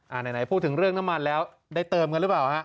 ไหนพูดถึงเรื่องน้ำมันแล้วได้เติมกันหรือเปล่าฮะ